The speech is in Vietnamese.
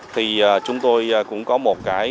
thì chúng tôi cũng có một